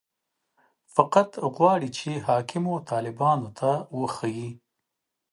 فقط غواړي چې حاکمو طالبانو ته وښيي.